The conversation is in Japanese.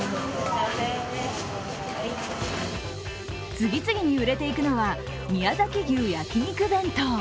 次々に売れていくのは宮崎牛焼肉弁当。